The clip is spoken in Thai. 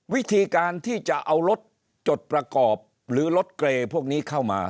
วิธีการที่จะเอารถจดประกอบหรือรถเกรพวกนี้เข้ามา